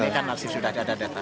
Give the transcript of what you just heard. ini kan masih sudah ada data